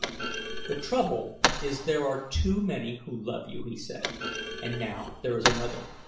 "The trouble is there are too many who love you," he said. "And now there is another."